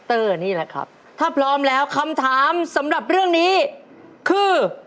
ถ้าพร้อมแล้วคำถามสำหรับเรื่องนี้คือ